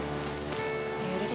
ya udah deh ikutin